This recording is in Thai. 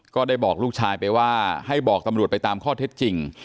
ก็ได้บอกลูกชายไปว่าให้บอกตำรวจไปตามข้อเท็จจริง